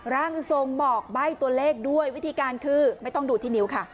ร่างทรงบอกใบ้ตัวเลขด้วยวิธีการคือไม่ต้องดูที่นิ้วค่ะ